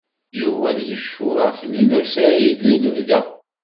Yuba ad yecfu ɣef Lila u Saɛid i lebda.